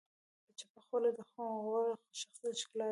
چپه خوله، د غوره شخصیت ښکلا ده.